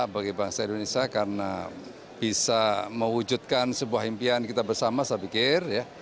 bagi bangsa indonesia karena bisa mewujudkan sebuah impian kita bersama saya pikir